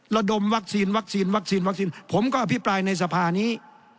ระดมวัคซีนวัคซีนวัคซีนวัคซีนผมก็อภิปรายในสภานี้